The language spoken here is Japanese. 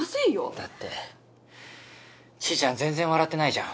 だってちーちゃん全然笑ってないじゃん。